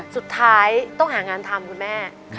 สุดท้ายต้องหางานทำคุณแม่